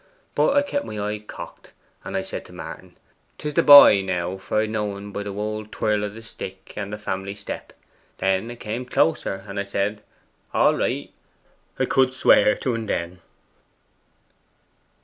But I kept my eye cocked, and I said to Martin, "'Tis the boy, now, for I d' know en by the wold twirl o' the stick and the family step." Then 'a come closer, and a' said, "All right." I could swear to en then.